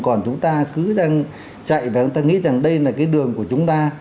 còn chúng ta cứ đang chạy và chúng ta nghĩ rằng đây là cái đường của chúng ta